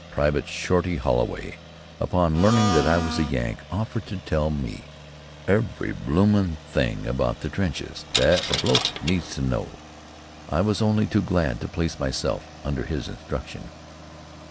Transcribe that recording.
Private Shorty Holloway, upon learning that I was a "Yank," offered to tell me "every bloomin' thing about the trenches that a bloke needs to know." I was only too glad to place myself under his instruction.